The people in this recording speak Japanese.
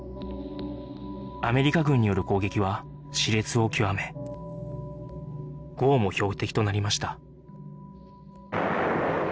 アメリカ軍による攻撃は熾烈を極め壕も標的となりました